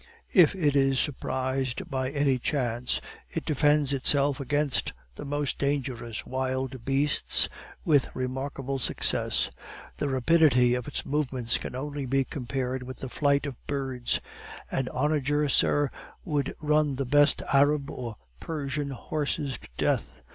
If it is surprised by any chance, it defends itself against the most dangerous wild beasts with remarkable success; the rapidity of its movements can only be compared with the flight of birds; an onager, sir, would run the best Arab or Persian horses to death.